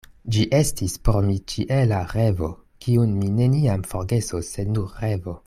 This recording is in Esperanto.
Ĝi estis por mi ĉiela revo, kiun mi neniam forgesos, sed nur revo.